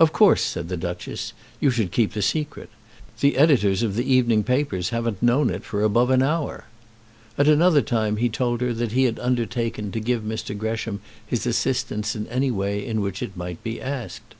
"Of course," said the Duchess, "you should keep the secret. The editors of the evening papers haven't known it for above an hour." At another time he told her that he had undertaken to give Mr. Gresham his assistance in any way in which it might be asked.